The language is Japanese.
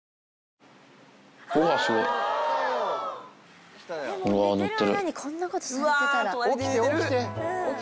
うわっ、すごい。うわー、乗ってる。